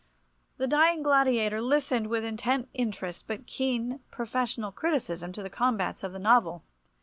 The dying gladiator listened with intent interest but keen, professional criticism to the combats of the novel.